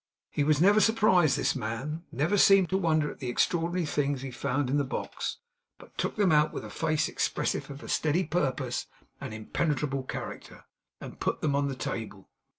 He was never surprised, this man; he never seemed to wonder at the extraordinary things he found in the box, but took them out with a face expressive of a steady purpose and impenetrable character, and put them on the table.